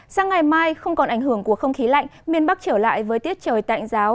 sang ngày mai không còn ảnh hưởng của không khí lạnh miền bắc trở lại với tiết trời tạnh giáo